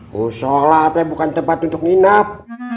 musyolah itu bukan tempat untuk nginep